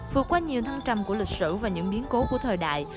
vượt qua nhiều thăng trầm của lịch sử và những biến cố của thời đại